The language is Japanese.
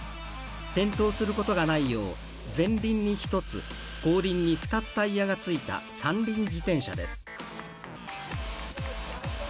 転倒することがないよう前輪に１つ、後輪に２つタイヤがついた三輪自転車です。